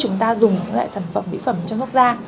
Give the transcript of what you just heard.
chúng ta dùng những loại sản phẩm mỹ phẩm trong thuốc da